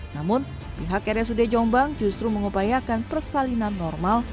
namun pihak rsud jombang justru mengupayakan persalinan normal